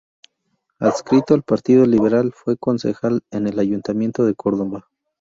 Adscrito al Partido Liberal, fue concejal en el Ayuntamiento de Córdoba.